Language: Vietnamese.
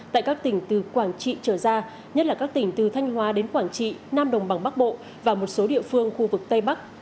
tại các tỉnh từ quảng trị trở ra nhất là các tỉnh từ thanh hóa đến quảng trị nam đồng bằng bắc bộ và một số địa phương khu vực tây bắc